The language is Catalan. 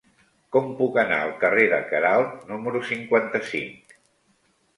Com puc anar al carrer de Queralt número cinquanta-cinc?